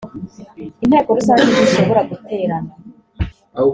inteko rusange ntishobora guterana